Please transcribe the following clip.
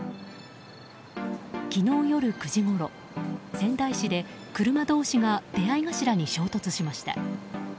昨日夜９時ごろ仙台市で車同士が出合い頭に衝突しました。